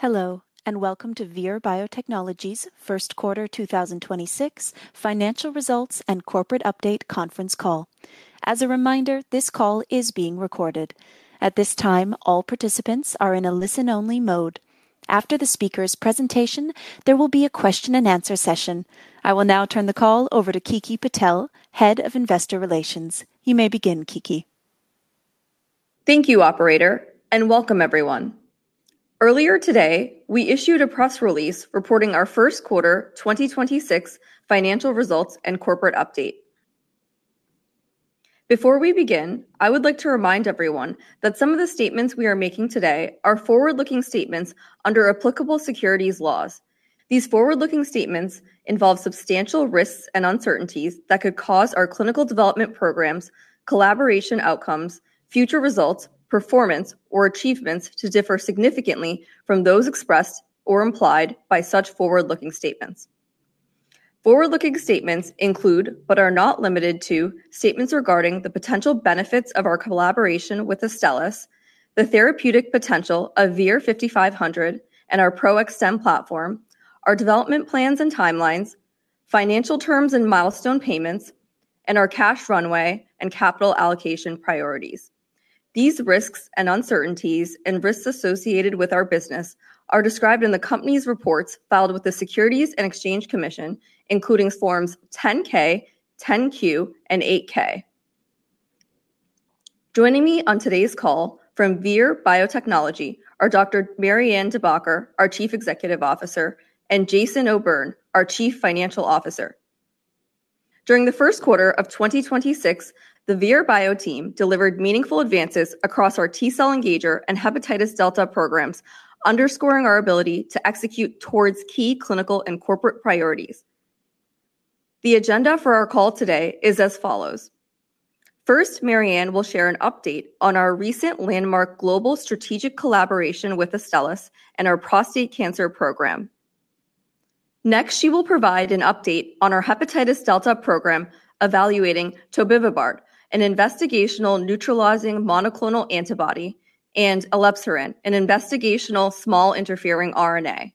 Hello, and welcome to Vir Biotechnology's first quarter 2026 financial results and corporate update conference call. As a reminder, this call is being recorded. At this time, all participants are in a listen-only mode. After the speaker's presentation, there will be a question-and-answer session. I will now turn the call over to Kiki Patel, Head of Investor Relations. You may begin, Kiki. Thank you, operator. Welcome everyone. Earlier today, we issued a press release reporting our first quarter 2026 financial results and corporate update. Before we begin, I would like to remind everyone that some of the statements we are making today are forward-looking statements under applicable securities laws. These forward-looking statements involve substantial risks and uncertainties that could cause our clinical development programs, collaboration outcomes, future results, performance, or achievements to differ significantly from those expressed or implied by such forward-looking statements. Forward-looking statements include, but are not limited to, statements regarding the potential benefits of our collaboration with Astellas, the therapeutic potential of VIR-5500 and our PRO-XTEN platform, our development plans and timelines, financial terms and milestone payments, and our cash runway and capital allocation priorities. These risks and uncertainties and risks associated with our business are described in the company's reports filed with the Securities and Exchange Commission, including forms 10-K, 10-Q, and 8-K. Joining me on today's call from Vir Biotechnology are Dr. Marianne De Backer, our Chief Executive Officer, and Jason O'Byrne, our Chief Financial Officer. During the first quarter of 2026, the Vir Bio team delivered meaningful advances across our T-cell engager and hepatitis delta programs, underscoring our ability to execute towards key clinical and corporate priorities. The agenda for our call today is as follows. First, Marianne will share an update on our recent landmark global strategic collaboration with Astellas and our prostate cancer program. Next, she will provide an update on our hepatitis delta program evaluating tobevibart, an investigational neutralizing monoclonal antibody, and elebsiran, an investigational small interfering RNA.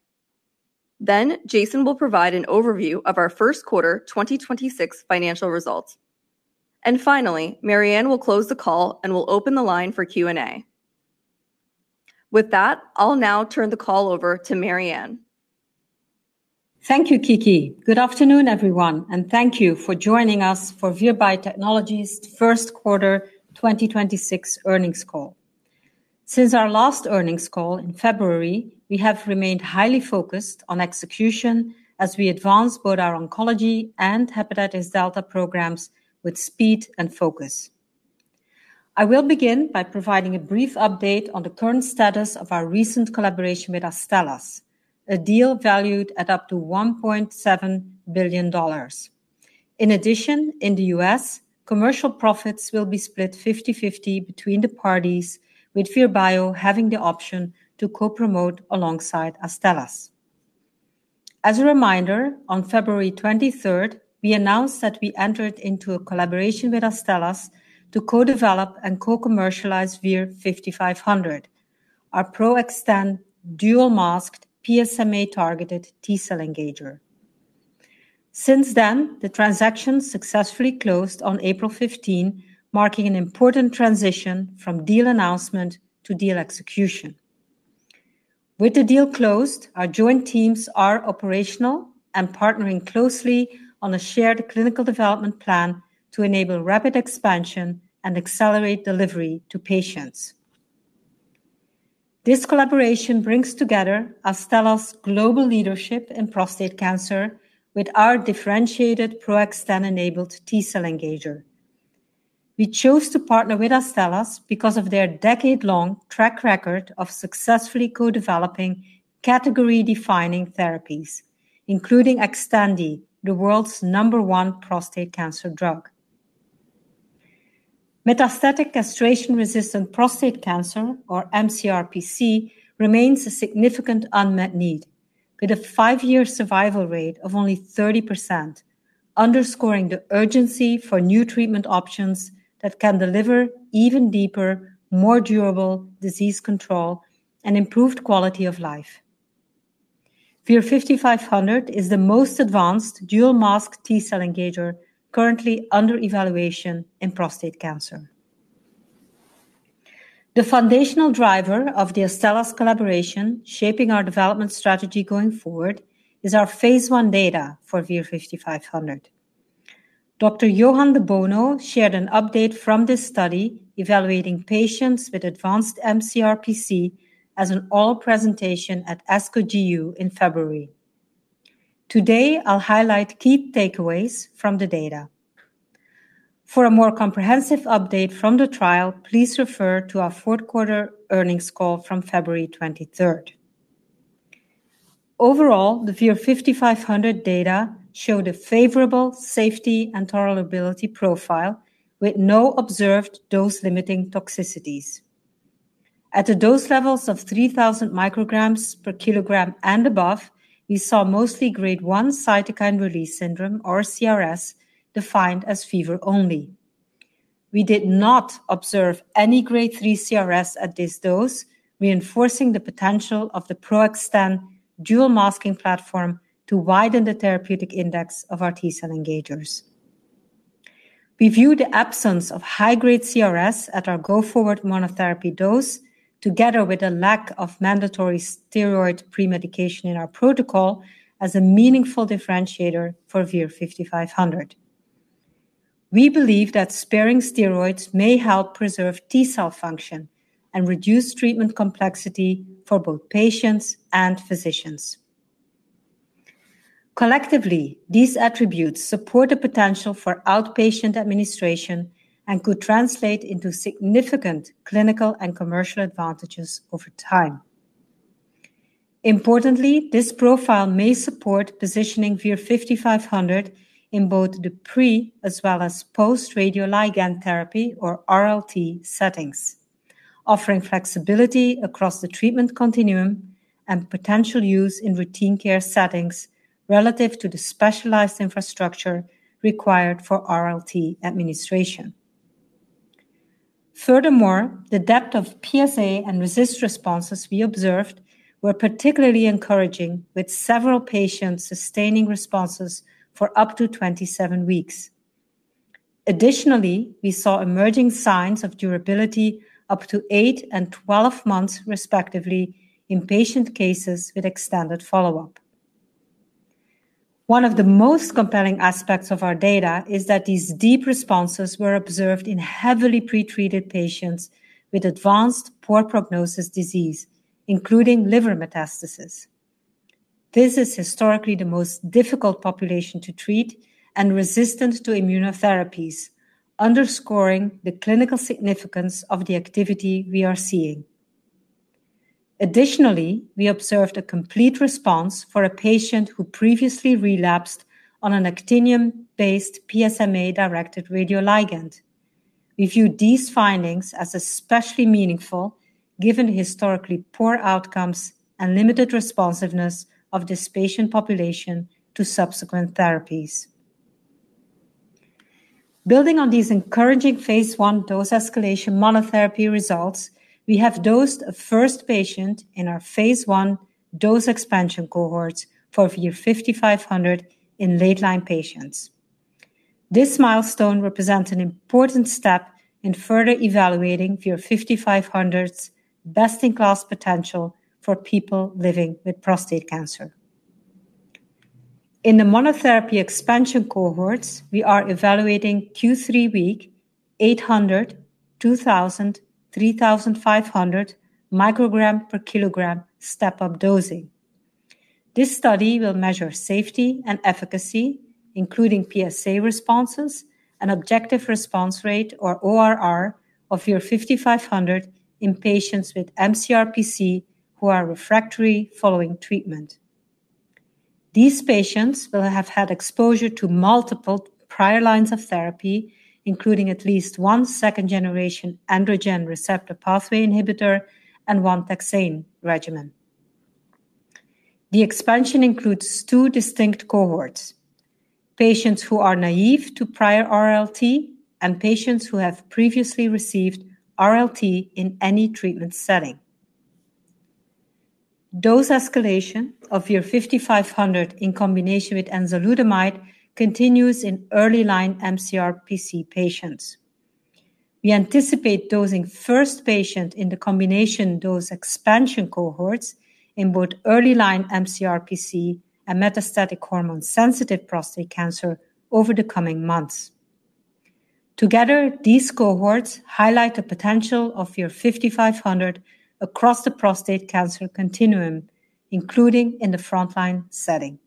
Jason will provide an overview of our first quarter 2026 financial results. Finally, Marianne will close the call and will open the line for Q&A. With that, I'll now turn the call over to Marianne. Thank you, Kiki. Good afternoon, everyone, and thank you for joining us for Vir Biotechnology's first quarter 2026 earnings call. Since our last earnings call in February, we have remained highly focused on execution as we advance both our oncology and hepatitis delta programs with speed and focus. I will begin by providing a brief update on the current status of our recent collaboration with Astellas, a deal valued at up to $1.7 billion. In addition, in the U.S., commercial profits will be split 50/50 between the parties, with Vir Bio having the option to co-promote alongside Astellas. As a reminder, on February 23rd, we announced that we entered into a collaboration with Astellas to co-develop and co-commercialize VIR-5500, our PRO-XTEN dual masked PSMA-targeted T-cell engager. The transaction successfully closed on April 15, marking an important transition from deal announcement to deal execution. With the deal closed, our joint teams are operational and partnering closely on a shared clinical development plan to enable rapid expansion and accelerate delivery to patients. This collaboration brings together Astellas' global leadership in prostate cancer with our differentiated PRO-XTEN-enabled T-cell engager. We chose to partner with Astellas because of their decade-long track record of successfully co-developing category-defining therapies, including XTANDI, the world's number one prostate cancer drug. Metastatic castration-resistant prostate cancer, or mCRPC, remains a significant unmet need, with a five-year survival rate of only 30%, underscoring the urgency for new treatment options that can deliver even deeper, more durable disease control and improved quality of life. VIR-5500 is the most advanced dual masked T-cell engager currently under evaluation in prostate cancer. The foundational driver of the Astellas collaboration shaping our development strategy going forward is our phase I data for VIR-5500. Dr. Johann de Bono shared an update from this study evaluating patients with advanced mCRPC as an oral presentation at ASCO GU in February. Today, I'll highlight key takeaways from the data. For a more comprehensive update from the trial, please refer to our fourth quarter earnings call from February 23rd. Overall, the VIR-5500 data showed a favorable safety and tolerability profile with no observed dose-limiting toxicities. At the dose levels of 3,000 mcg/kg and above, we saw mostly grade 1 cytokine release syndrome, or CRS, defined as fever only. We did not observe any grade 3 CRS at this dose, reinforcing the potential of the PRO-XTEN dual-masking platform to widen the therapeutic index of our T-cell engagers. We view the absence of high-grade CRS at our go-forward monotherapy dose together with a lack of mandatory steroid pre-medication in our protocol as a meaningful differentiator for VIR-5500. We believe that sparing steroids may help preserve T-cell function and reduce treatment complexity for both patients and physicians. Collectively, these attributes support the potential for outpatient administration and could translate into significant clinical and commercial advantages over time. Importantly, this profile may support positioning VIR-5500 in both the pre as well as post radioligand therapy or RLT settings, offering flexibility across the treatment continuum and potential use in routine care settings relative to the specialized infrastructure required for RLT administration. Furthermore, the depth of PSA and RECIST responses we observed were particularly encouraging, with several patients sustaining responses for up to 27 weeks. Additionally, we saw emerging signs of durability up to eight and 12 months respectively in patient cases with extended follow-up. One of the most compelling aspects of our data is that these deep responses were observed in heavily pretreated patients with advanced poor prognosis disease, including liver metastasis. This is historically the most difficult population to treat and resistant to immunotherapies, underscoring the clinical significance of the activity we are seeing. Additionally, we observed a complete response for a patient who previously relapsed on an actinium-based PSMA-directed radioligand. We view these findings as especially meaningful given historically poor outcomes and limited responsiveness of this patient population to subsequent therapies. Building on these encouraging phase I dose escalation monotherapy results, we have dosed a first patient in our phase I dose expansion cohorts for VIR-5500 in late line patients. This milestone represents an important step in further evaluating VIR-5500's best-in-class potential for people living with prostate cancer. In the monotherapy expansion cohorts, we are evaluating Q3 week, 800, 2,000, 3,500 mcg/kg step-up dosing. This study will measure safety and efficacy, including PSA responses and objective response rate or ORR of VIR-5500 in patients with mCRPC who are refractory following treatment. These patients will have had exposure to multiple prior lines of therapy, including at least one second-generation androgen receptor pathway inhibitor and one taxane regimen. The expansion includes two distinct cohorts, patients who are naive to prior RLT and patients who have previously received RLT in any treatment setting. Dose escalation of VIR-5500 in combination with enzalutamide continues in early-line mCRPC patients. We anticipate dosing first patient in the combination dose expansion cohorts in both early-line mCRPC and metastatic hormone-sensitive prostate cancer over the coming months. Together, these cohorts highlight the potential of VIR-5500 across the prostate cancer continuum, including in the frontline setting.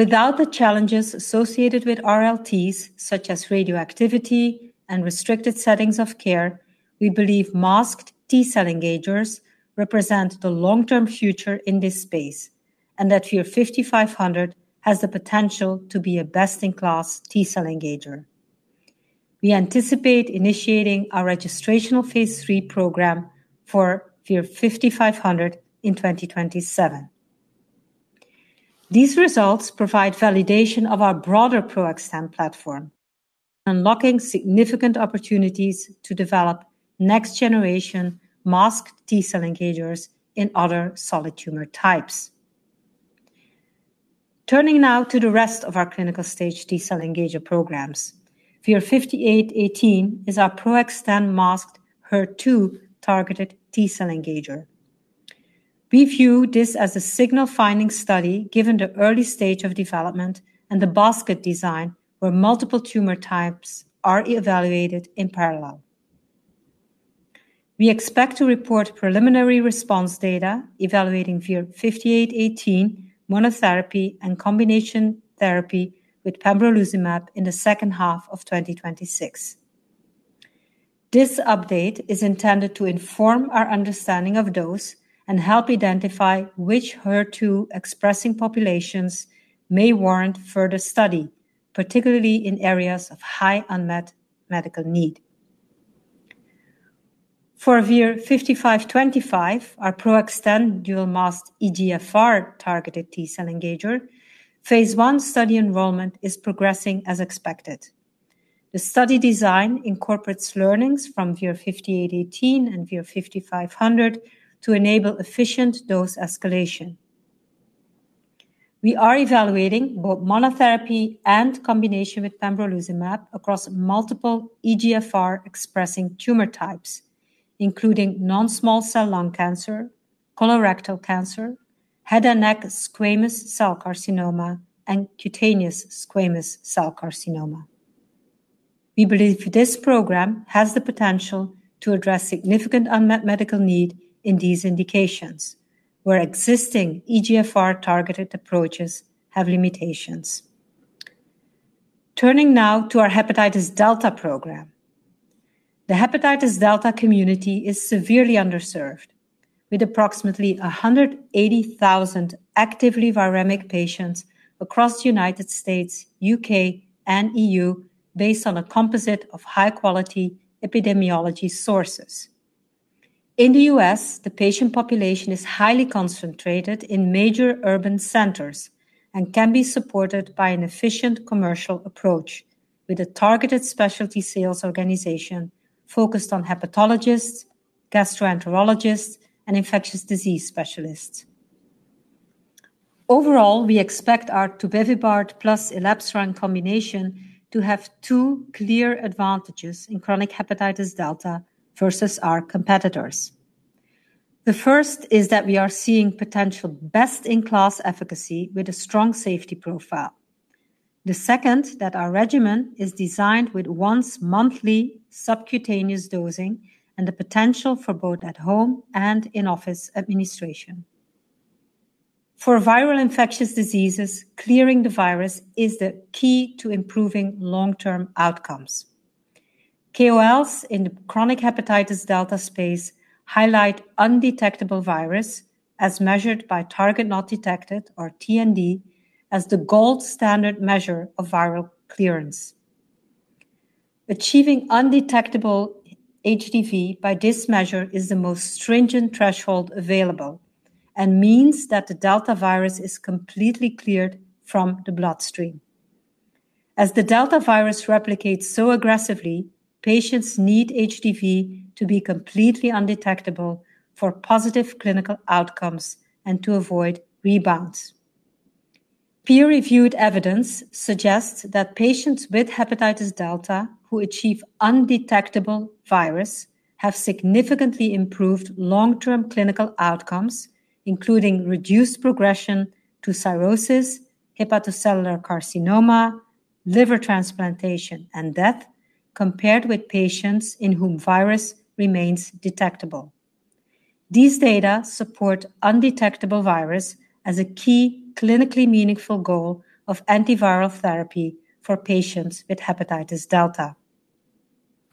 Without the challenges associated with RLTs, such as radioactivity and restricted settings of care, we believe masked T-cell engagers represent the long-term future in this space, and that VIR-5500 has the potential to be a best-in-class T-cell engager. We anticipate initiating our registrational phase III program for VIR-5500 in 2027. These results provide validation of our broader PRO-XTEN platform, unlocking significant opportunities to develop next-generation masked T-cell engagers in other solid tumor types. Turning now to the rest of our clinical stage T-cell engager programs, VIR-5818 is our PRO-XTEN masked HER2-targeted T-cell engager. We view this as a signal finding study given the early stage of development and the basket design where multiple tumor types are evaluated in parallel. We expect to report preliminary response data evaluating VIR-5818 monotherapy and combination therapy with pembrolizumab in the second half of 2026. This update is intended to inform our understanding of dose and help identify which HER2-expressing populations may warrant further study, particularly in areas of high unmet medical need. For VIR-5525, our PRO-XTEN dual-masked EGFR-targeted T-cell engager, phase I study enrollment is progressing as expected. The study design incorporates learnings from VIR-5818 and VIR-5500 to enable efficient dose escalation. We are evaluating both monotherapy and combination with pembrolizumab across multiple EGFR-expressing tumor types, including non-small cell lung cancer, colorectal cancer, head and neck squamous cell carcinoma, and cutaneous squamous cell carcinoma. We believe this program has the potential to address significant unmet medical need in these indications, where existing EGFR-targeted approaches have limitations. Turning now to our hepatitis delta program. The hepatitis delta community is severely underserved, with approximately 180,000 actively viremic patients across the United States, U.K., and E.U. based on a composite of high-quality epidemiology sources. In the U.S., the patient population is highly concentrated in major urban centers and can be supported by an efficient commercial approach with a targeted specialty sales organization focused on hepatologists, gastroenterologists, and infectious disease specialists. Overall, we expect our tobevibart plus elebsiran combination to have two clear advantages in chronic hepatitis delta versus our competitors. The first is that we are seeing potential best-in-class efficacy with a strong safety profile. The second, that our regimen is designed with once-monthly subcutaneous dosing and the potential for both at-home and in-office administration. For viral infectious diseases, clearing the virus is the key to improving long-term outcomes. KOLs in the chronic hepatitis delta space highlight undetectable virus, as measured by target not detected or TND, as the gold standard measure of viral clearance. Achieving undetectable HDV by this measure is the most stringent threshold available and means that the delta virus is completely cleared from the bloodstream. As the delta virus replicates so aggressively, patients need HDV to be completely undetectable for positive clinical outcomes and to avoid rebounds. Peer-reviewed evidence suggests that patients with hepatitis delta who achieve undetectable virus have significantly improved long-term clinical outcomes, including reduced progression to cirrhosis, hepatocellular carcinoma, liver transplantation, and death, compared with patients in whom virus remains detectable. These data support undetectable virus as a key clinically meaningful goal of antiviral therapy for patients with hepatitis delta.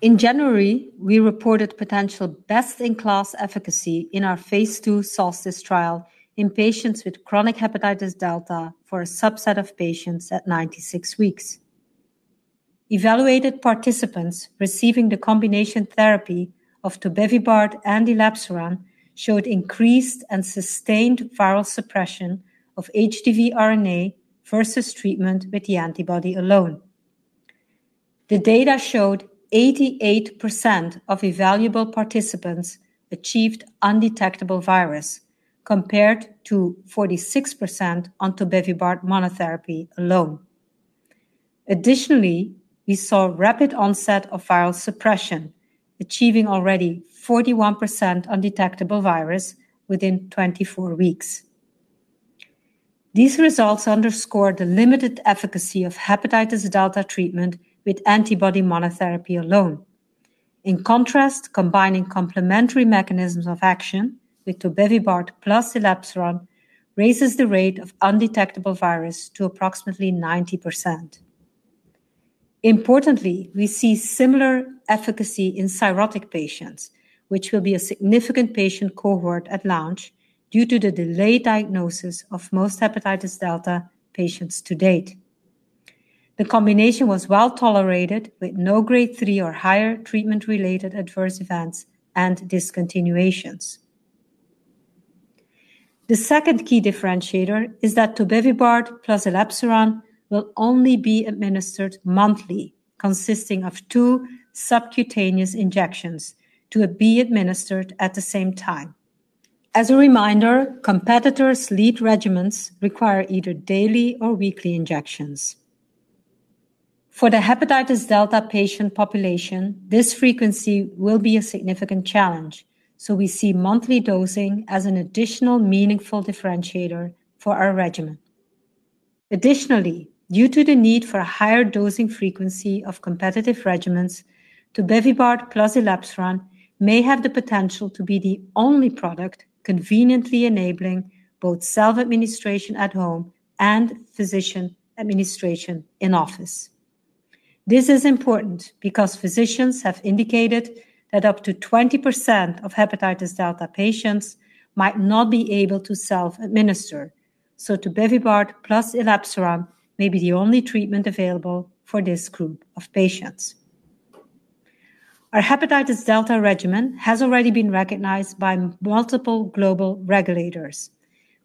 In January, we reported potential best-in-class efficacy in our phase II SOLSTICE trial in patients with chronic hepatitis delta for a subset of patients at 96 weeks. Evaluated participants receiving the combination therapy of tobevibart and elebsiran showed increased and sustained viral suppression of HDV RNA versus treatment with the antibody alone. The data showed 88% of evaluable participants achieved undetectable virus, compared to 46% on tobevibart monotherapy alone. We saw rapid onset of viral suppression, achieving already 41% undetectable virus within 24 weeks. These results underscore the limited efficacy of hepatitis delta treatment with antibody monotherapy alone. In contrast, combining complementary mechanisms of action with tobevibart plus elebsiran raises the rate of undetectable virus to approximately 90%. Importantly, we see similar efficacy in cirrhotic patients, which will be a significant patient cohort at launch due to the delayed diagnosis of most hepatitis delta patients to date. The combination was well-tolerated, with no grade 3 or higher treatment-related adverse events and discontinuations. The second key differentiator is that tobevibart plus elebsiran will only be administered monthly, consisting of two subcutaneous injections to be administered at the same time. As a reminder, competitors' lead regimens require either daily or weekly injections. For the hepatitis delta patient population, this frequency will be a significant challenge, so we see monthly dosing as an additional meaningful differentiator for our regimen. Additionally, due to the need for a higher dosing frequency of competitive regimens, tobevibart plus elebsiran may have the potential to be the only product conveniently enabling both self-administration at home and physician administration in office. This is important because physicians have indicated that up to 20% of hepatitis delta patients might not be able to self-administer. Tobevibart plus elebsiran may be the only treatment available for this group of patients. Our hepatitis delta regimen has already been recognized by multiple global regulators,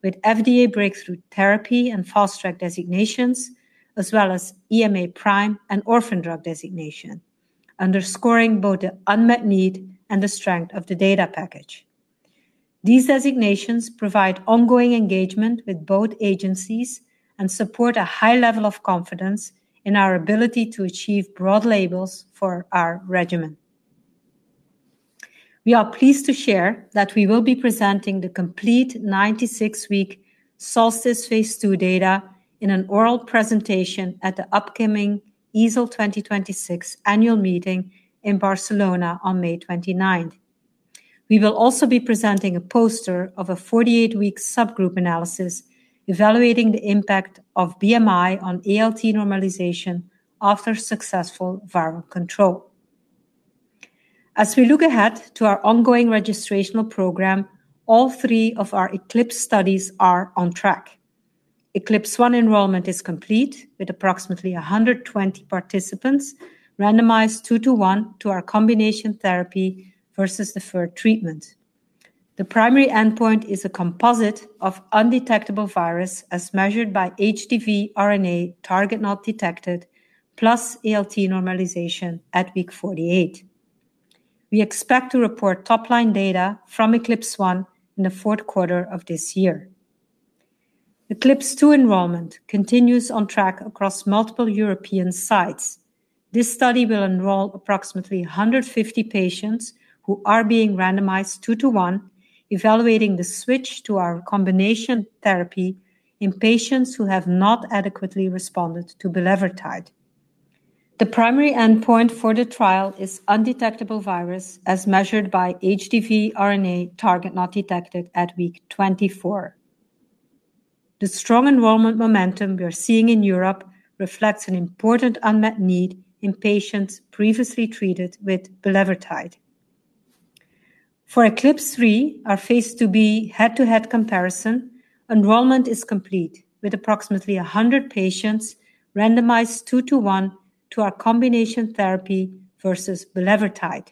with FDA Breakthrough Therapy and Fast Track designations, as well as EMA PRIME and Orphan Drug Designation, underscoring both the unmet need and the strength of the data package. These designations provide ongoing engagement with both agencies and support a high level of confidence in our ability to achieve broad labels for our regimen. We are pleased to share that we will be presenting the complete 96-week SOLSTICE phase II data in an oral presentation at the upcoming EASL 2026 annual meeting in Barcelona on May 29th. We will also be presenting a poster of a 48-week subgroup analysis evaluating the impact of BMI on ALT normalization after successful viral control. As we look ahead to our ongoing registrational program, all three of our ECLIPSE studies are on track. ECLIPSE 1 enrollment is complete with approximately 120 participants randomized two to one to our combination therapy versus deferred treatment. The primary endpoint is a composite of undetectable virus as measured by HDV RNA target not detected plus ALT normalization at week 48. We expect to report top line data from ECLIPSE 1 in the fourth quarter of this year. ECLIPSE 2 enrollment continues on track across multiple European sites. This study will enroll approximately 150 patients who are being randomized two to one, evaluating the switch to our combination therapy in patients who have not adequately responded to bulevirtide. The primary endpoint for the trial is undetectable virus as measured by HDV RNA target not detected at week 24. The strong enrollment momentum we are seeing in Europe reflects an important unmet need in patients previously treated with bulevirtide. For ECLIPSE 3, our phase II-B head to head comparison, enrollment is complete with approximately 100 patients randomized two to one to our combination therapy versus bulevirtide.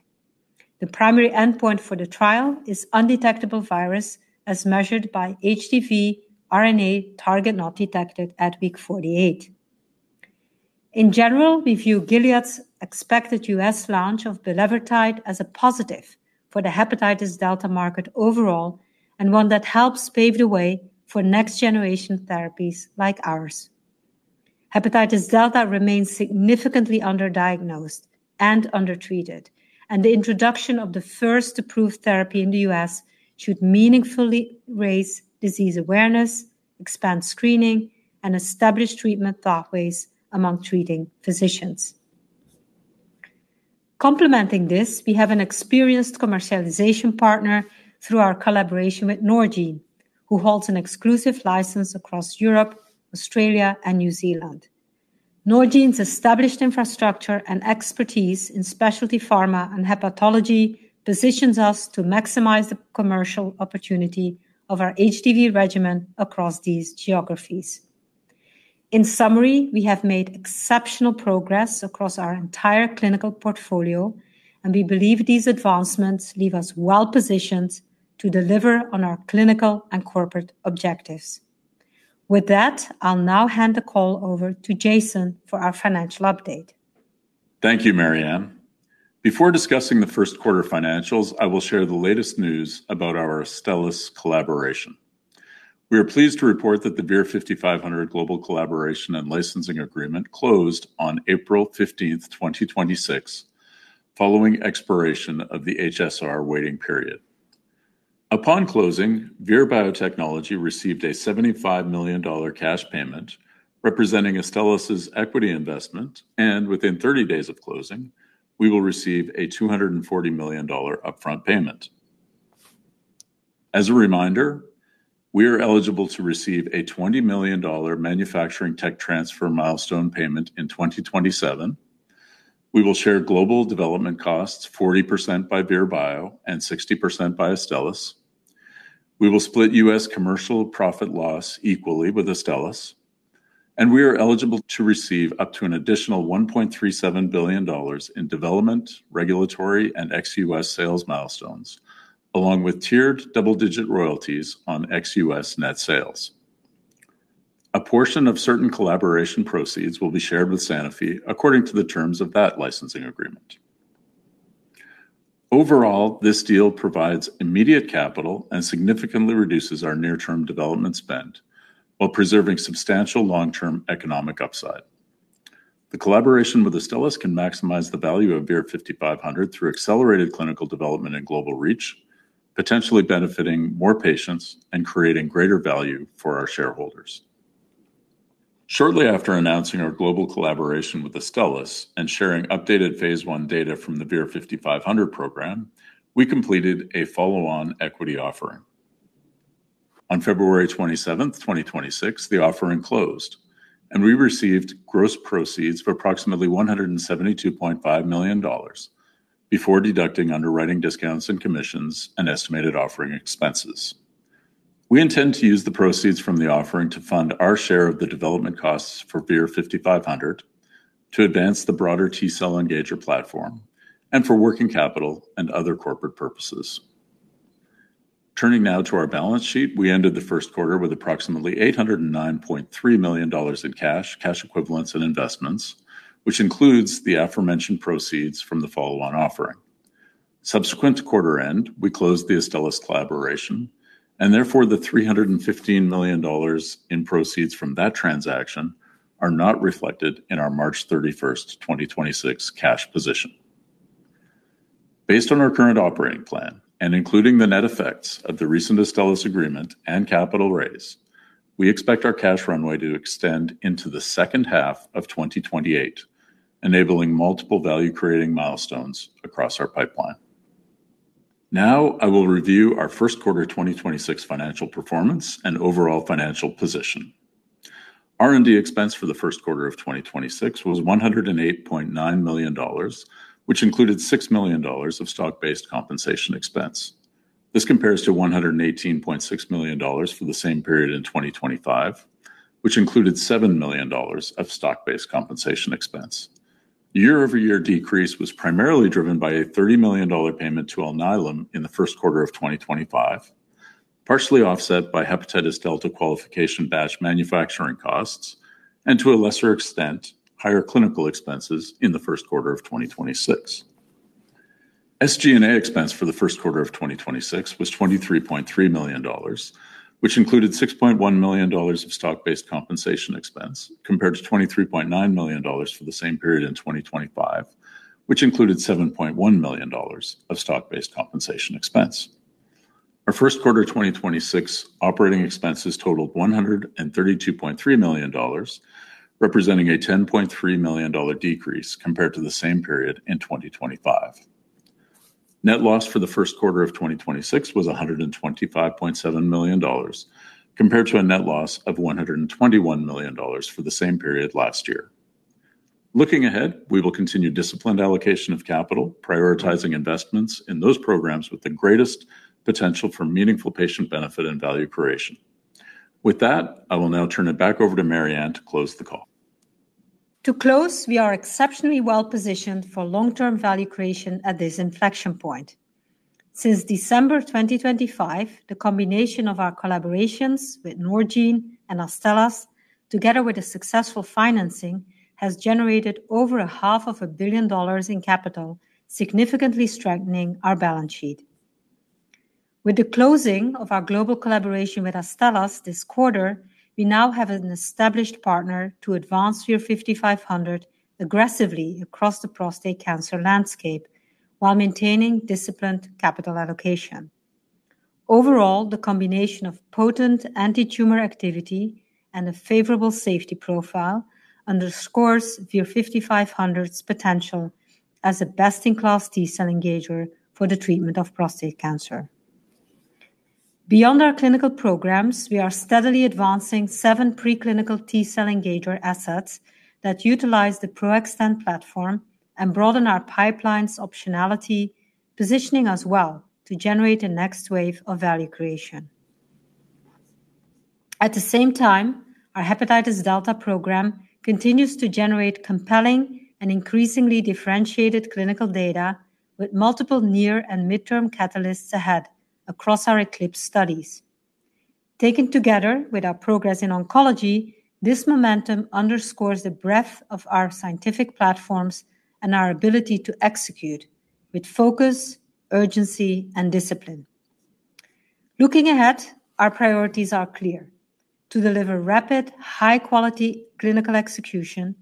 The primary endpoint for the trial is undetectable virus as measured by HDV RNA target not detected at week 48. In general, we view Gilead's expected U.S. launch of bulevirtide as a positive for the hepatitis delta market overall, one that helps pave the way for next generation therapies like ours. Hepatitis delta remains significantly underdiagnosed and undertreated, the introduction of the first approved therapy in the U.S. should meaningfully raise disease awareness, expand screening, and establish treatment pathways among treating physicians. Complementing this, we have an experienced commercialization partner through our collaboration with Norgine, who holds an exclusive license across Europe, Australia, and New Zealand. Norgine's established infrastructure and expertise in specialty pharma and hepatology positions us to maximize the commercial opportunity of our HDV regimen across these geographies. In summary, we have made exceptional progress across our entire clinical portfolio, we believe these advancements leave us well-positioned to deliver on our clinical and corporate objectives. With that, I'll now hand the call over to Jason for our financial update. Thank you, Marianne. Before discussing the first quarter financials, I will share the latest news about our Astellas collaboration. We are pleased to report that the VIR-5500 global collaboration and licensing agreement closed on April 15th, 2026, following expiration of the HSR waiting period. Upon closing, Vir Biotechnology received a $75 million cash payment representing Astellas' equity investment. Within 30 days of closing, we will receive a $240 million upfront payment. As a reminder, we are eligible to receive a $20 million manufacturing tech transfer milestone payment in 2027. We will share global development costs 40% by Vir Bio and 60% by Astellas. We will split U.S. commercial profit loss equally with Astellas, and we are eligible to receive up to an additional $1.37 billion in development, regulatory, and ex-U.S. sales milestones, along with tiered double-digit royalties on ex-U.S. net sales. A portion of certain collaboration proceeds will be shared with Sanofi according to the terms of that licensing agreement. Overall, this deal provides immediate capital and significantly reduces our near-term development spend while preserving substantial long-term economic upside. The collaboration with Astellas can maximize the value of VIR-5500 through accelerated clinical development and global reach, potentially benefiting more patients and creating greater value for our shareholders. Shortly after announcing our global collaboration with Astellas and sharing updated phase I data from the VIR-5500 program, we completed a follow-on equity offering. On February 27th, 2026, the offering closed. We received gross proceeds of approximately $172.5 million before deducting underwriting discounts and commissions and estimated offering expenses. We intend to use the proceeds from the offering to fund our share of the development costs for VIR-5500 to advance the broader T-cell engager platform and for working capital and other corporate purposes. Turning now to our balance sheet. We ended the first quarter with approximately $809.3 million in cash equivalents and investments, which includes the aforementioned proceeds from the follow-on offering. Subsequent to quarter end, we closed the Astellas collaboration. Therefore, the $315 million in proceeds from that transaction are not reflected in our March 31st, 2026 cash position. Based on our current operating plan and including the net effects of the recent Astellas agreement and capital raise, we expect our cash runway to extend into the second half of 2028, enabling multiple value-creating milestones across our pipeline. I will review our first quarter 2026 financial performance and overall financial position. R&D expense for the first quarter of 2026 was $108.9 million, which included $6 million of stock-based compensation expense. This compares to $118.6 million for the same period in 2025, which included $7 million of stock-based compensation expense. Year-over-year decrease was primarily driven by a $30 million payment to Alnylam in the first quarter of 2025, partially offset by hepatitis delta qualification batch manufacturing costs and, to a lesser extent, higher clinical expenses in the first quarter of 2026. SG&A expense for the first quarter of 2026 was $23.3 million, which included $6.1 million of stock-based compensation expense compared to $23.9 million for the same period in 2025, which included $7.1 million of stock-based compensation expense. Our first quarter 2026 operating expenses totaled $132.3 million, representing a $10.3 million decrease compared to the same period in 2025. Net loss for the first quarter of 2026 was $125.7 million, compared to a net loss of $121 million for the same period last year. Looking ahead, we will continue disciplined allocation of capital, prioritizing investments in those programs with the greatest potential for meaningful patient benefit and value creation. With that, I will now turn it back over to Marianne to close the call. To close, we are exceptionally well-positioned for long-term value creation at this inflection point. Since December 2025, the combination of our collaborations with Norgine and Astellas, together with a successful financing, has generated over a half of a billion dollars in capital, significantly strengthening our balance sheet. With the closing of our global collaboration with Astellas this quarter, we now have an established partner to advance VIR-5500 aggressively across the prostate cancer landscape while maintaining disciplined capital allocation. Overall, the combination of potent antitumor activity and a favorable safety profile underscores VIR-5500's potential as a best-in-class T-cell engager for the treatment of prostate cancer. Beyond our clinical programs, we are steadily advancing seven preclinical T-cell engager assets that utilize the PRO-XTEN platform and broaden our pipeline's optionality, positioning us well to generate a next wave of value creation. At the same time, our hepatitis delta program continues to generate compelling and increasingly differentiated clinical data with multiple near and midterm catalysts ahead across our ECLIPSE studies. Taken together with our progress in oncology, this momentum underscores the breadth of our scientific platforms and our ability to execute with focus, urgency, and discipline. Looking ahead, our priorities are clear: to deliver rapid, high-quality clinical execution,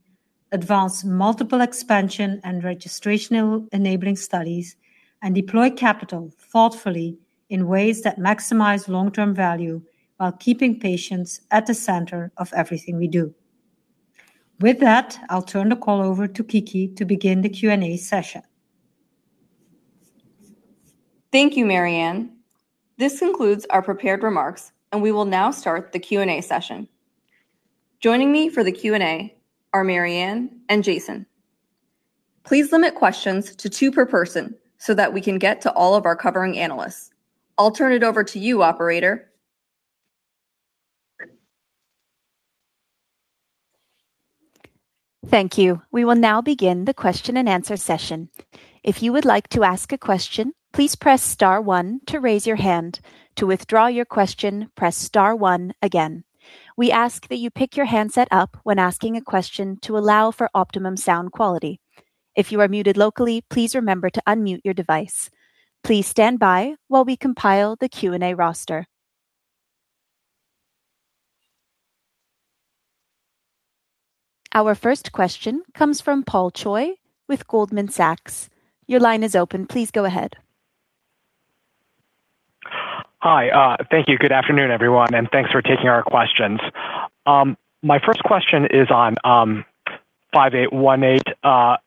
advance multiple expansion and registrational enabling studies, and deploy capital thoughtfully in ways that maximize long-term value while keeping patients at the center of everything we do. With that, I'll turn the call over to Kiki to begin the Q&A session. Thank you, Marianne. This concludes our prepared remarks, and we will now start the Q&A session. Joining me for the Q&A are Marianne and Jason. Please limit questions to two per person so that we can get to all of our covering analysts. I'll turn it over to you, operator. Thank you. We will now begin the question-and-answer session. If you would like to ask a question, please press star one to raise your hand. To withdraw your question, please press star one again. We ask that you to pick your handset up when asking a question to allow for optimum sound quality. If you are muted locally, please remember to unmute your device. Please standby while we compile the Q&A roster. Our first question comes from Paul Choi with Goldman Sachs. Your line is open. Please go ahead. Hi. Thank you. Good afternoon, everyone, and thanks for taking our questions. My first question is on 5818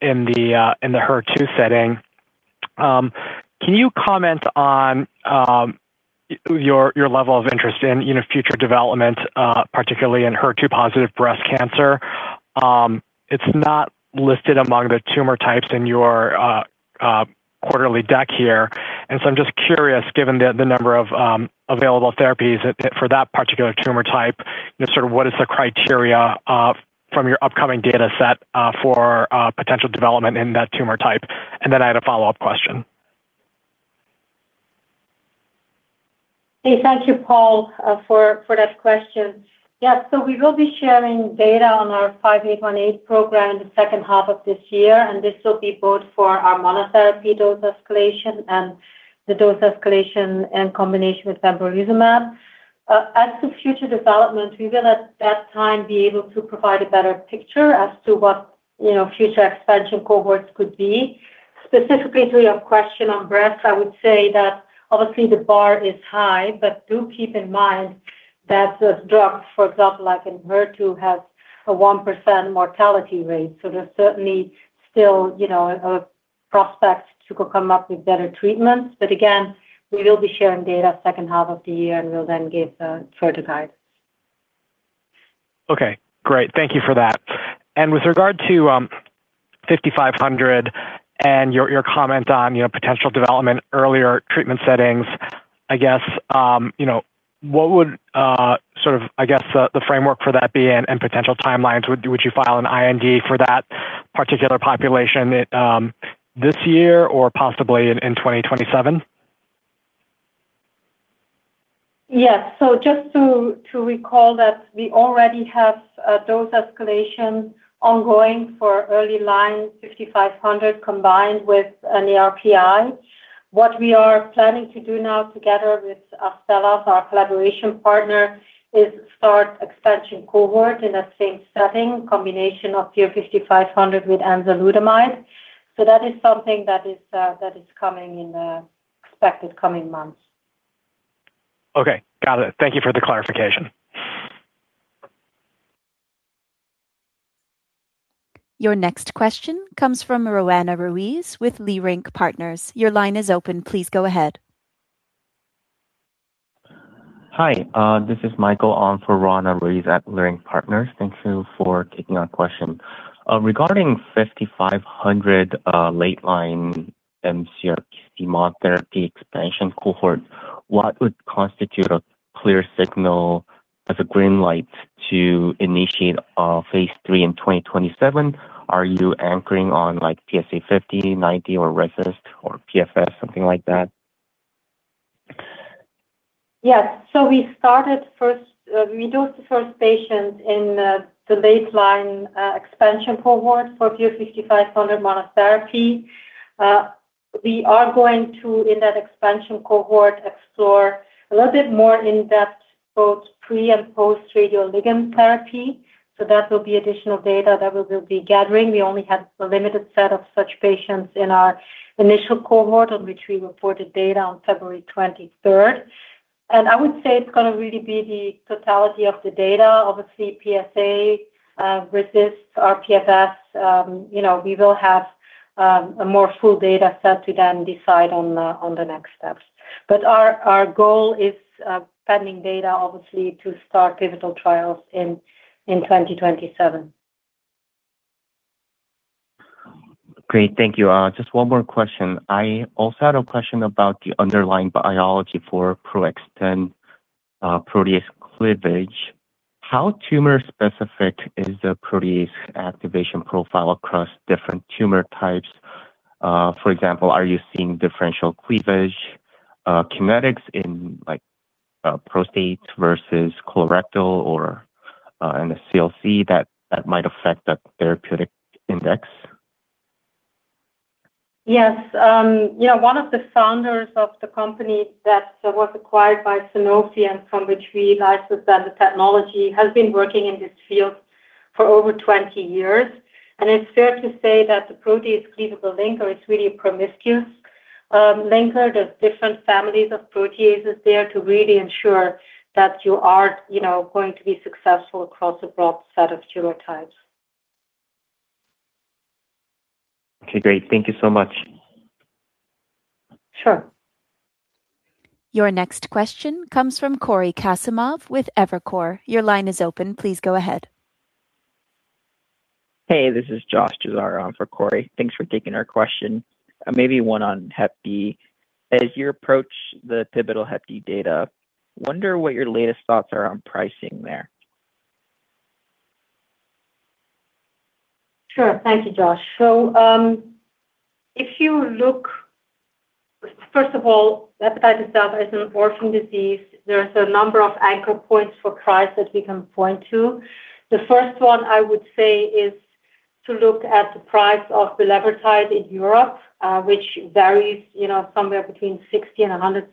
in the HER2 setting. Can you comment on your level of interest in, you know, future development, particularly in HER2-positive breast cancer? It's not listed among the tumor types in your quarterly deck here. I'm just curious, given the number of available therapies for that particular tumor type, you know, sort of what is the criteria from your upcoming data set for potential development in that tumor type? I had a follow-up question. Thank you, Paul, for that question. We will be sharing data on our 5818 program in the second half of this year, and this will be both for our monotherapy dose escalation and the dose escalation in combination with pembrolizumab. As to future development, we will at that time be able to provide a better picture as to what, you know, future expansion cohorts could be. Specifically to your question on breast, I would say that obviously the bar is high, but do keep in mind that this drug, for example, like in HER2, has a 1% mortality rate. There's certainly still, you know, a prospect to come up with better treatments. Again, we will be sharing data second half of the year, and we'll then give a further guide. Okay, great. Thank you for that. With regard to 5500 and your comment on, you know, potential development, earlier treatment settings, I guess, you know, what would sort of, I guess the framework for that be and potential timelines? Would you file an IND for that particular population, this year or possibly in 2027? Yes. Just to recall that we already have a dose escalation ongoing for early-line 5500 combined with an ARPI. What we are planning to do now together with Astellas, our collaboration partner, is start expansion cohort in that same setting, combination of VIR-5500 with enzalutamide. That is something that is coming in the expected coming months. Okay. Got it. Thank you for the clarification. Your next question comes from Roanna Ruiz with Leerink Partners. Your line is open. Please go ahead. Hi. This is Michael Ahn for Roanna Ruiz at Leerink Partners. Thank you for taking our question. Regarding 5500, late line mCRPC monotherapy expansion cohort, what would constitute a clear signal as a green light to initiate a phase III in 2027? Are you anchoring on like PSA 50, 90 or RECIST or PFS, something like that? Yes. We dosed the first patient in the late line expansion cohort for VIR-5500 monotherapy. We are going to, in that expansion cohort, explore a little bit more in-depth both pre and post radioligand therapy. That will be additional data that we will be gathering. We only had a limited set of such patients in our initial cohort on which we reported data on February 23rd. I would say it's going to really be the totality of the data. Obviously, PSA, RECIST, our PFS. You know, we will have a more full data set to then decide on the next steps. Our goal is, pending data obviously to start pivotal trials in 2027. Great. Thank you. Just one more question. I also had a question about the underlying biology for PRO-XTEN, protease cleavage. How tumor-specific is the protease activation profile across different tumor types? For example, are you seeing differential cleavage, kinetics in like, prostate versus colorectal or, in NSCLC that might affect that therapeutic index? Yes. You know, one of the founders of the company that was acquired by Sanofi and from which we licensed the technology has been working in this field for over 20 years. It's fair to say that the protease cleavable linker is really a promiscuous linker. There's different families of proteases there to really ensure that you are, you know, going to be successful across a broad set of tumor types. Okay, great. Thank you so much. Sure. Your next question comes from Cory Kasimov with Evercore. Your line is open. Please go ahead. Hey, this is Josh Chazaro on for Cory Kasimov. Thanks for taking our question. Maybe one on HDV. As you approach the pivotal HDV data, wonder what your latest thoughts are on pricing there? Sure. Thank you, Josh. If you look, first of all, hepatitis delta is an orphan disease. There's a number of anchor points for price that we can point to. The first one I would say is to look at the price of bulevirtide in Europe, which varies, you know, somewhere between $60,000 and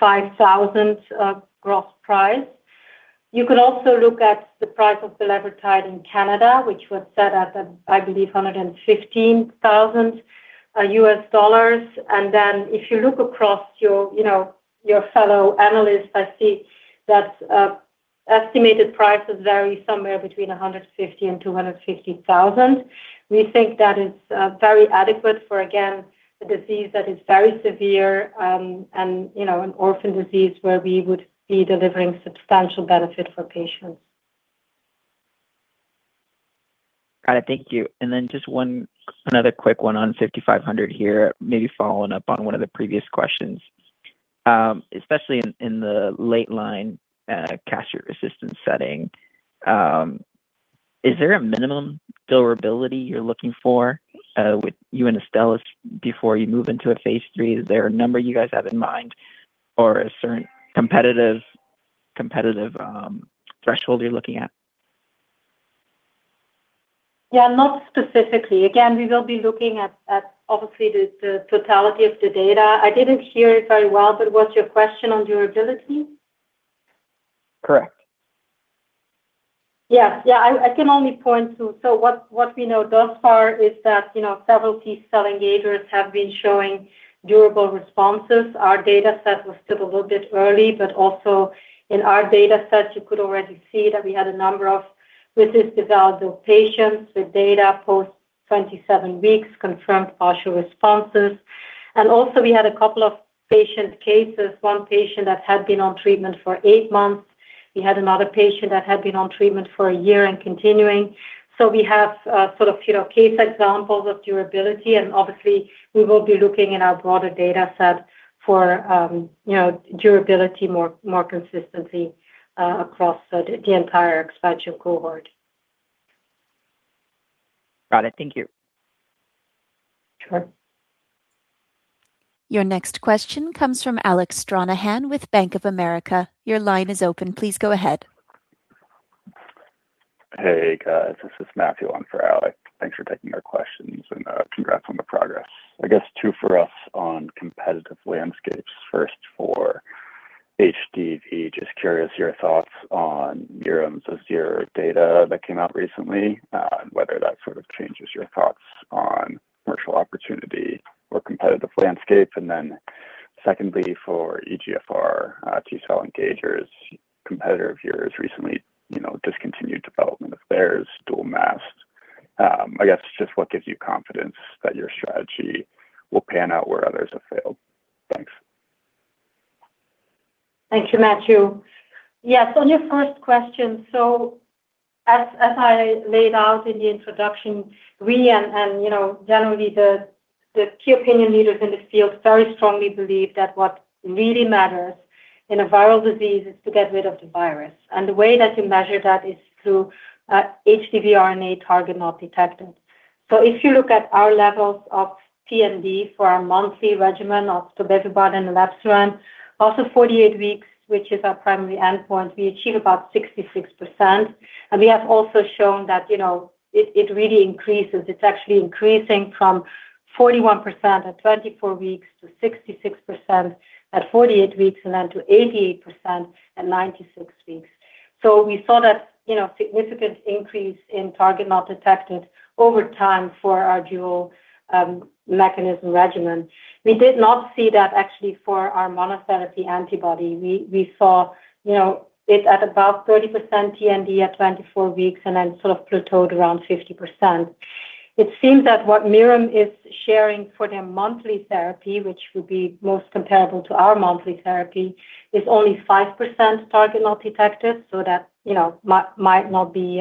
$165,000 gross price. You can also look at the price of bulevirtide in Canada, which was set at, I believe, $115,000. If you look across your, you know, your fellow analysts, I see that estimated prices vary somewhere between $150,000 and $250,000. We think that is very adequate for, again, a disease that is very severe, and, you know, an orphan disease where we would be delivering substantial benefit for patients. Got it. Thank you. Just another quick one on 5500 here, maybe following up on one of the previous questions. Especially in the late line castration-resistant setting, is there a minimum durability you're looking for with you and Astellas before you move into a phase III? Is there a number you guys have in mind or a certain competitive threshold you're looking at? Yeah, not specifically. Again, we will be looking at obviously the totality of the data. I didn't hear it very well, but was your question on durability? Correct. Yes. Yeah, I can only point to what we know thus far is that, you know, several T-cell engagers have been showing durable responses. Our data set was still a little bit early, also in our data set, you could already see that we had a number of resistant developed patients with data post 27 weeks confirmed partial responses. Also we had a couple of patient cases, one patient that had been on treatment for eight months. We had another patient that had been on treatment for a year and continuing. We have, sort of, you know, case examples of durability, and obviously we will be looking in our broader data set for, you know, durability more consistency across the entire expansion cohort. Got it. Thank you. Sure. Your next question comes from Alec Stranahan with Bank of America. Your line is open. Please go ahead. Hey, guys. This is Matthew on for Alec. Thanks for taking our questions and congrats on the progress. I guess two for us on competitive landscapes. First for HDV, just curious your thoughts on Mirum ZSR data that came out recently, and whether that sort of changes your thoughts on commercial opportunity or competitive landscape. Secondly, for EGFR T-cell engagers, competitor of yours recently, you know, discontinued development of their JANX008. I guess just what gives you confidence that your strategy will pan out where others have failed? Thanks. Thanks for Matthew. Yes. On your first question, as I laid out in the introduction, we and, you know, generally the key opinion leaders in the field very strongly believe that what really matters in a viral disease is to get rid of the virus. The way that you measure that is through HDV RNA target not detected. If you look at our levels of TND for our monthly regimen of tobevibart and elebsiran, after 48 weeks, which is our primary endpoint, we achieve about 66%. We have also shown that, you know, it really increases. It's actually increasing from 41% at 24 weeks to 66% at 48 weeks and then to 88% at 96 weeks. We saw that, you know, significant increase in target not detected over time for our dual mechanism regimen. We did not see that actually for our monotherapy antibody. We saw, you know, it at about 30% TND at 24 weeks and then sort of plateaued around 50%. It seems that what Mirum is sharing for their monthly therapy, which would be most comparable to our monthly therapy, is only 5% target not detected, so that, you know, might not be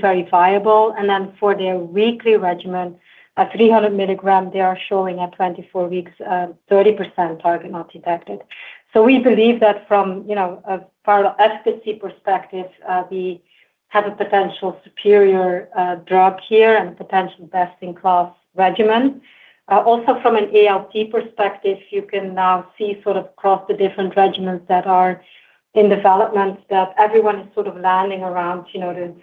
very viable. For their weekly regimen, at 300 mg, they are showing at 24 weeks, 30% target not detected. We believe that from, you know, a viral efficacy perspective, we have a potential superior drug here and potential best-in-class regimen. Also from an ALT perspective, you can now see sort of across the different regimens that are in development that everyone is sort of landing around, you know, the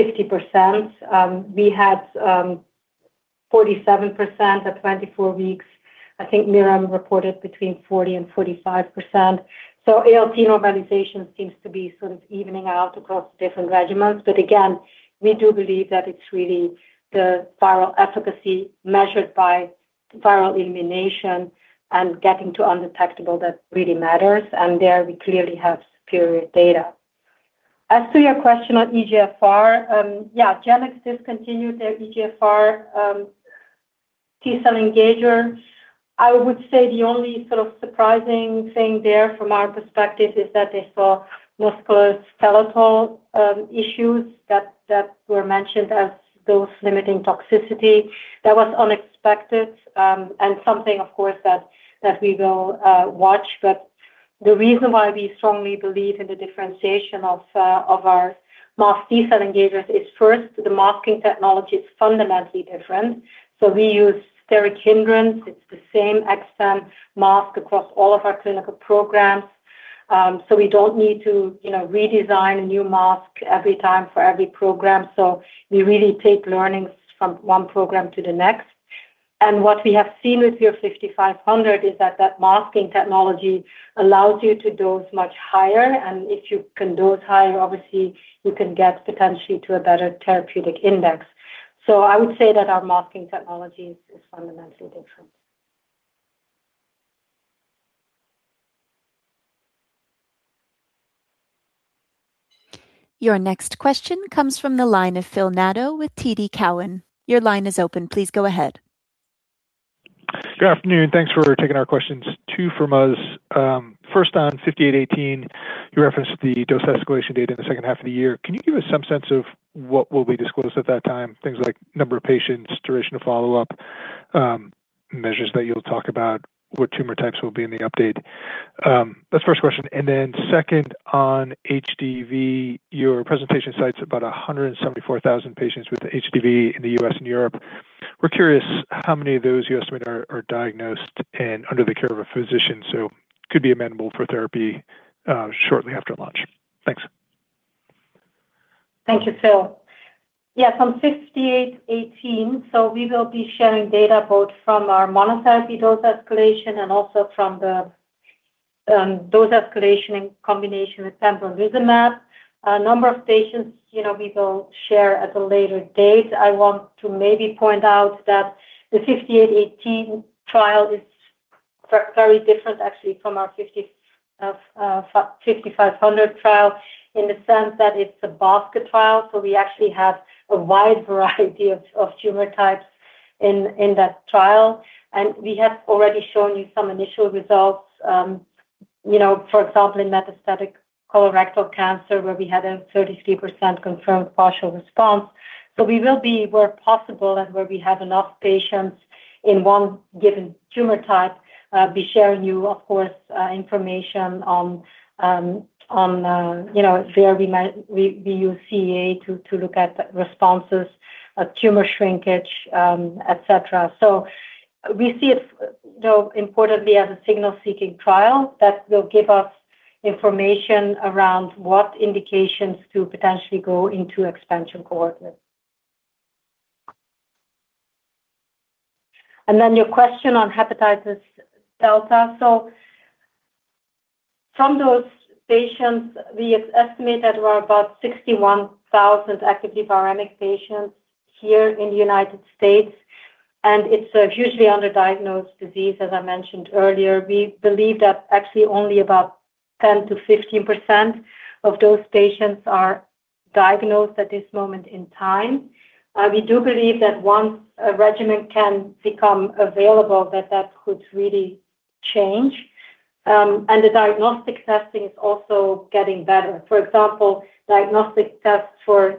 50%. We had 47% at 24 weeks. I think Mirum reported between 40% and 45%. ALT normalization seems to be sort of evening out across different regimens. Again, we do believe that it's really the viral efficacy measured by viral elimination and getting to undetectable that really matters, and there we clearly have superior data. As to your question on EGFR, Janux discontinued their EGFR T-cell engager. I would say the only sort of surprising thing there from our perspective is that they saw musculoskeletal issues that were mentioned as dose-limiting toxicity. That was unexpected, and something, of course, that we will watch. The reason why we strongly believe in the differentiation of our masked T-cell engagers is first, the masking technology is fundamentally different. We use steric hindrance. It's the same PRO-XTEN mask across all of our clinical programs. We don't need to, you know, redesign a new mask every time for every program. We really take learnings from one program to the next. What we have seen with VIR-5500 is that that masking technology allows you to dose much higher. If you can dose higher, obviously you can get potentially to a better therapeutic index. I would say that our masking technology is fundamentally different. Your next question comes from the line of Phil Nadeau with TD Cowen. Your line is open. Please go ahead. Good afternoon. Thanks for taking our questions. Two from us. First on VIR-5818, you referenced the dose escalation date in the second half of the year. Can you give us some sense of what will be disclosed at that time? Things like number of patients, duration of follow-up, measures that you'll talk about, what tumor types will be in the update? That's first question. Second, on HDV, your presentation cites about 174,000 patients with HDV in the U.S. and Europe. We're curious how many of those you estimate are diagnosed and under the care of a physician, so could be amendable for therapy, shortly after launch? Thanks. Thank you, Phil. Yes, on 5818, we will be sharing data both from our monotherapy dose escalation and also from the dose escalation in combination with pembrolizumab. A number of patients, you know, we will share at a later date. I want to maybe point out that the VIR-5818 trial is very different actually from our VIR-5500 trial in the sense that it's a basket trial, we actually have a wide variety of tumor types in that trial. We have already shown you some initial results, you know, for example, in metastatic colorectal cancer where we had a 33% confirmed partial response. We will be, where possible and where we have enough patients in one given tumor type, be sharing you, of course, information on, you know, where we use CA to look at responses, tumor shrinkage, et cetera. We see it, though, importantly as a signal-seeking trial that will give us information around what indications to potentially go into expansion cohorts with. Your question on hepatitis delta. From those patients, we estimate that there are about 61,000 actively viremic patients here in the United States, and it's a hugely underdiagnosed disease, as I mentioned earlier. We believe that actually only about 10%-15% of those patients are diagnosed at this moment in time. We do believe that once a regimen can become available, that that could really change. And the diagnostic testing is also getting better. For example, diagnostic tests for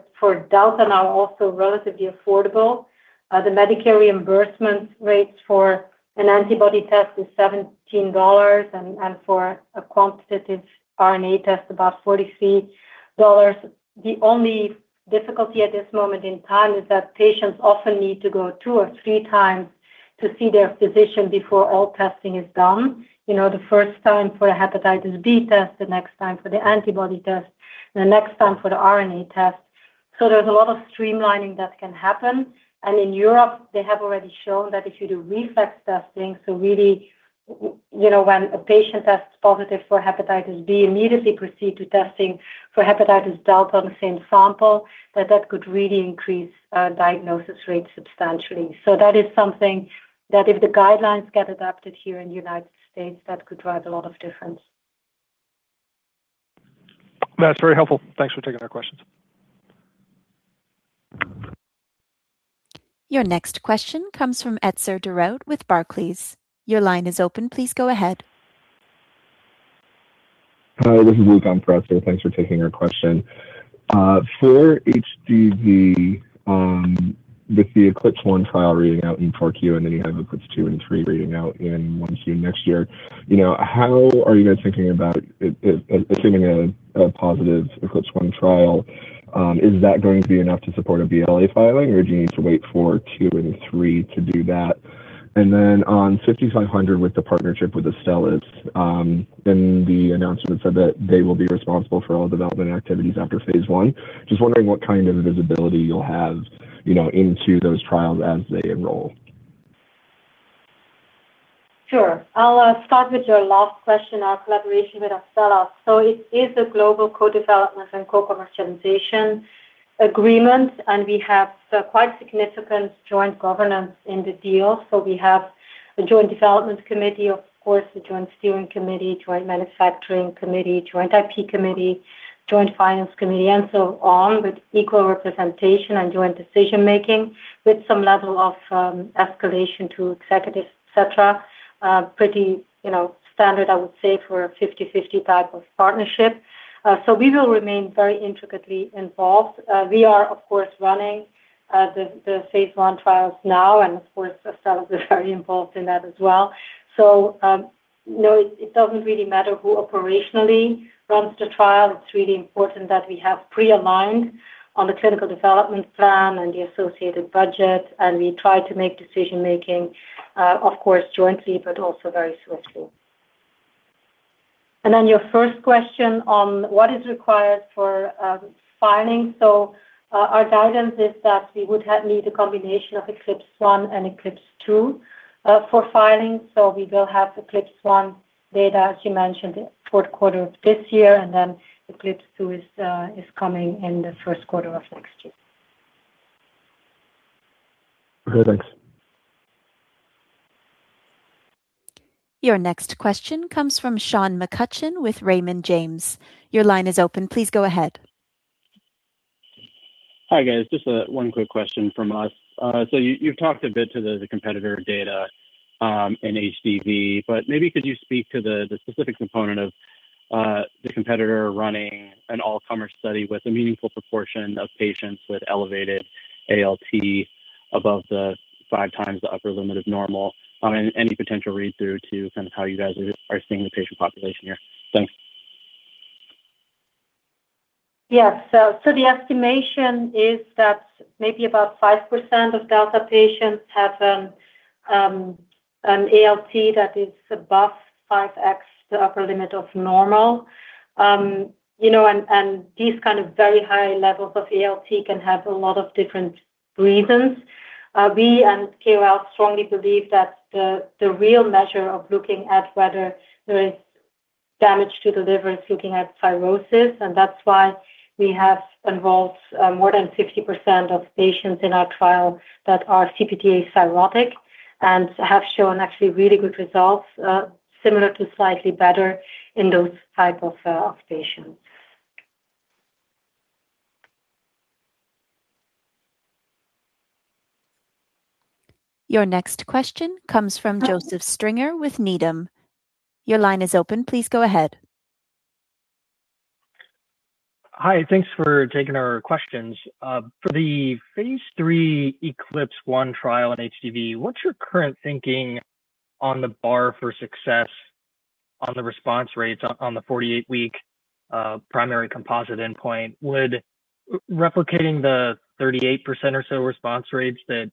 delta now are also relatively affordable. The Medicare reimbursement rates for an antibody test is $17 and for a quantitative RNA test, about $43. The only difficulty at this moment in time is that patients often need to go two or three times to see their physician before all testing is done. You know, the first time for a hepatitis B test, the next time for the antibody test, and the next time for the RNA test. There's a lot of streamlining that can happen. In Europe, they have already shown that if you do reflex testing, so really, you know, when a patient tests positive for hepatitis B, immediately proceed to testing for hepatitis delta on the same sample, that could really increase diagnosis rates substantially. That is something that if the guidelines get adapted here in the United States, that could drive a lot of difference. That's very helpful. Thanks for taking our questions. Your next question comes from Etzer Darout with Barclays. Your line is open. Please go ahead. Hi, this is. Thanks for taking our question. For HDV, with the ECLIPSE 1 trial reading out in 4Q and then you have ECLIPSE 2 and 3 reading out in 1Q next year, you know, how are you guys thinking about it assuming a positive ECLIPSE 1 trial, is that going to be enough to support a BLA filing or do you need to wait for two and three to do that? On VIR-5500 with the partnership with Astellas, in the announcement said that they will be responsible for all development activities after phase I. Just wondering what kind of visibility you'll have, you know, into those trials as they enroll. Sure. I'll start with your last question on collaboration with Astellas. It is a global co-development and co-commercialization agreement, and we have quite significant joint governance in the deal. We have a joint development committee, of course, a joint steering committee, joint manufacturing committee, joint IP committee, joint finance committee, and so on, with equal representation and joint decision-making with some level of escalation to executives, et cetera. Pretty, you know, standard, I would say, for a 50/50 type of partnership. We will remain very intricately involved. We are of course, running the phase I trials now, and of course, Astellas is very involved in that as well. No, it doesn't really matter who operationally runs the trial. It's really important that we have pre-aligned on the clinical development plan and the associated budget, and we try to make decision-making, of course, jointly, but also very swiftly. Your first question on what is required for filing. Our guidance is that we would need a combination of ECLIPSE 1 and ECLIPSE 2 for filing. We will have ECLIPSE 1 data, as you mentioned, fourth quarter of this year, and then ECLIPSE 2 is coming in the first quarter of next year. Okay. Thanks. Your next question comes from Sean McCutcheon with Raymond James. Your line is open. Please go ahead. Hi, guys. Just one quick question from us. You've talked a bit to the competitor data in HDV, but maybe could you speak to the specific component of the competitor running an all-comer study with a meaningful proportion of patients with elevated ALT above the 5x the upper limit of normal, and any potential read-through to kind of how you guys are seeing the patient population here? Thanks. The estimation is that maybe about 5% of delta patients have an ALT that is above 5x the upper limit of normal. You know, these kind of very high levels of ALT can have a lot of different reasons. We and KOLs strongly believe that the real measure of looking at whether there is damage to the liver is looking at cirrhosis, that's why we have involved more than 60% of patients in our trial that are CPT-A cirrhotic and have shown actually really good results, similar to slightly better in those type of patients. Your next question comes from Joseph Stringer with Needham. Your line is open. Please go ahead. Hi. Thanks for taking our questions. For the phase III ECLIPSE 1 trial in HDV, what's your current thinking on the bar for success on the response rates on the 48-week primary composite endpoint? Would replicating the 38% or so response rates that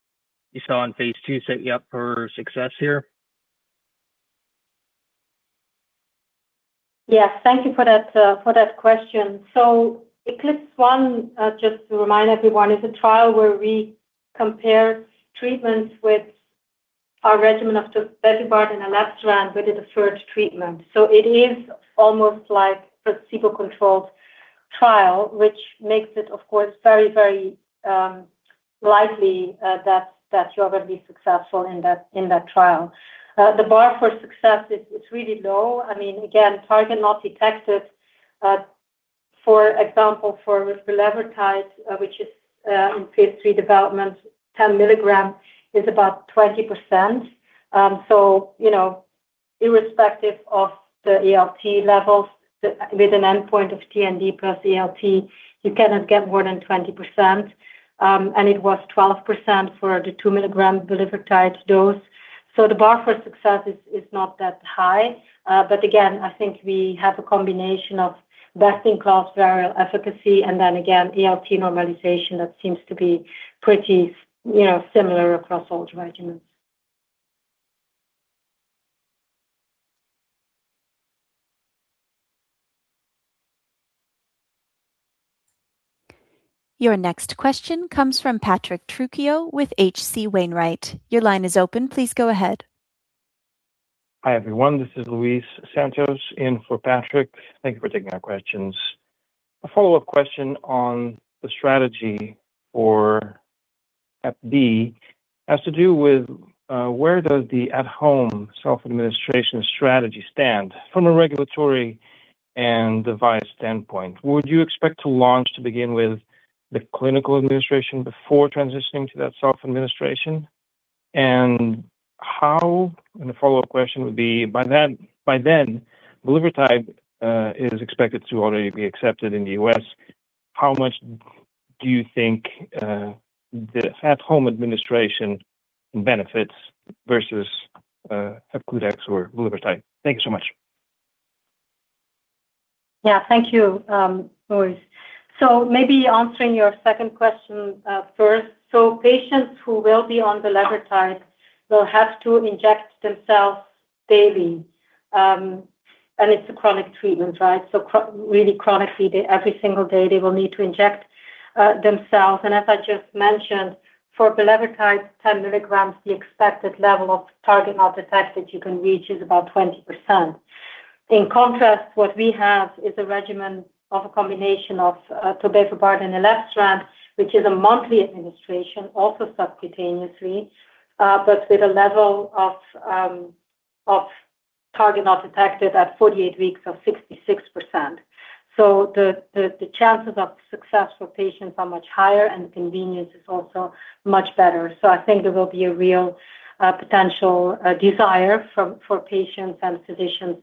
you saw in phase II set you up for success here? Yes. Thank you for that, for that question. ECLIPSE 1, just to remind everyone, is a trial where we compare treatments with our regimen of tobevibart and elebsiran with a deferred treatment. It is almost like a placebo-controlled trial, which makes it, of course, very likely that you're gonna be successful in that trial. The bar for success is really low. I mean, again, target not detected, for example, for with the bulevirtide, which is in phase III development, 10 mg is about 20%. You know, irrespective of the ALT levels, with an endpoint of TND plus ALT, you cannot get more than 20%, and it was 12% for the 2 mg bulevirtide dose. The bar for success is not that high. Again, I think we have a combination of best-in-class viral efficacy and then again, ALT normalization that seems to be pretty, you know, similar across all the regimens. Your next question comes from Patrick Trucchio with H.C. Wainwright. Your line is open. Please go ahead. Hi, everyone. This is Luis Santos in for Patrick. Thank you for taking our questions. A follow-up question on the strategy for HDV has to do with where does the at-home self-administration strategy stand from a regulatory and device standpoint? Would you expect to launch to begin with the clinical administration before transitioning to that self-administration? How, and the follow-up question would be, by then, bulevirtide is expected to already be accepted in the U.S. How much do you think the at-home administration benefits versus Hepcludex or bulevirtide? Thank you so much. Yeah. Thank you, Luis. Maybe answering your second question first. Patients who will be on bulevirtide will have to inject themselves daily. It's a chronic treatment, right? Really chronically, every single day, they will need to inject themselves. As I just mentioned, for bulevirtide 10 mg, the expected level of target not detected you can reach is about 20%. In contrast, what we have is a regimen of a combination of tobevibart and elebsiran, which is a monthly administration, also subcutaneously, but with a level of target not detected at 48 weeks of 66%. The chances of success for patients are much higher and convenience is also much better. I think there will be a real potential desire for patients and physicians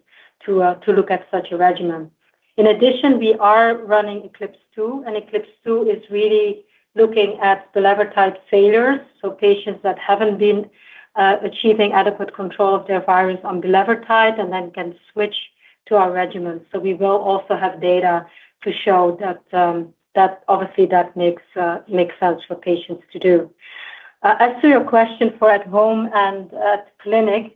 to look at such a regimen. In addition, we are running ECLIPSE 2, and ECLIPSE 2 is really looking at bulevirtide failures, so patients that haven't been achieving adequate control of their virus on bulevirtide and then can switch to our regimen. We will also have data to show that obviously makes sense for patients to do. As to your question for at home and at clinic,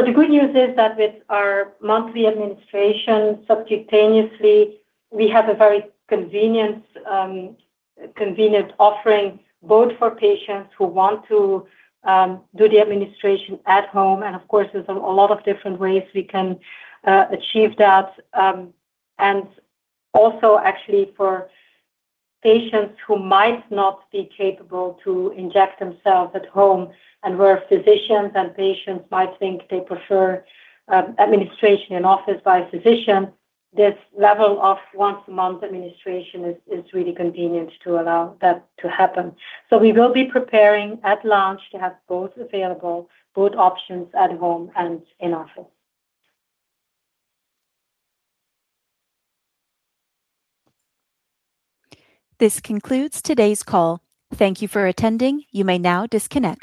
the good news is that with our monthly administration subcutaneously, we have a very convenient offering both for patients who want to do the administration at home, and of course, there's a lot of different ways we can achieve that. And also actually for patients who might not be capable to inject themselves at home and where physicians and patients might think they prefer administration in office by a physician, this level of once a month administration is really convenient to allow that to happen. We will be preparing at launch to have both available, both options at home and in office. This concludes today's call. Thank you for attending. You may now disconnect.